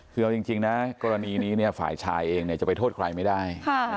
คือเอาจริงนะกรณีนี้ฝ่ายชายเองจะไปโทษใครไม่ได้